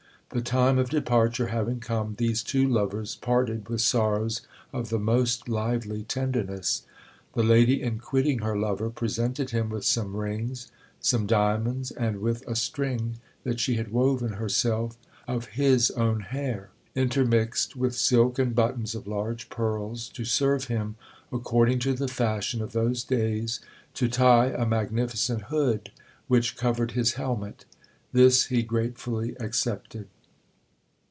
The time of departure having come, these two lovers parted with sorrows of the most lively tenderness. The lady, in quitting her lover, presented him with some rings, some diamonds, and with a string that she had woven herself of his own hair, intermixed with silk and buttons of large pearls, to serve him, according to the fashion of those days, to tie a magnificent hood which covered his helmet. This he gratefully accepted.